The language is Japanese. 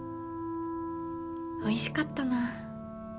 おいしかったな。